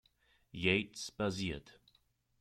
Yates basiert.